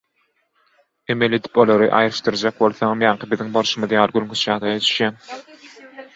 Emel edip olary aýrylyşdyrjak bolsaňam ýaňky biziň bolşumyz ýaly gülkünç ýagdaýa düşýäň.